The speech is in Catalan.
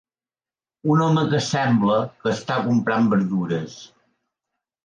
Un home que sembla que està comprant verdures.